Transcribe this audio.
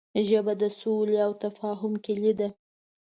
ژبه د سولې او تفاهم کلۍ ده